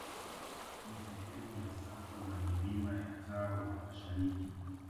Ni sehemu ya safu za milima ya tao la mashariki